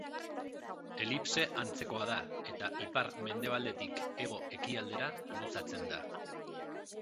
Elipse antzekoa da eta ipar-mendebaldetik hego-ekialdera luzatzen da.